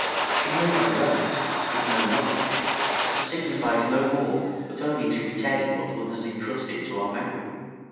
To know by rote, is no knowledge, and signifies no more but only to retain what one has intrusted to our memory.